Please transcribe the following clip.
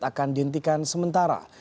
akan dihentikan sementara